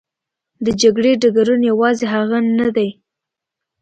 د جګړې ډګرونه یوازې هغه نه دي.